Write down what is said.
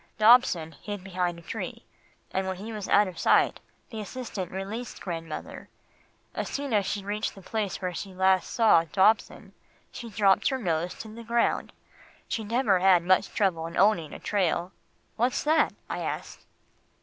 Dobson hid behind a tree, and when he was out of sight, the assistant released grandmother. As soon as she reached the place where she last saw Dobson, she dropped her nose to the ground. She never had much trouble in owning a trail " "What's that?" I asked.